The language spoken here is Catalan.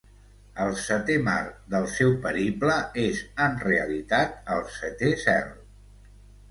El setè mar del seu periple és, en realitat, el setè cel.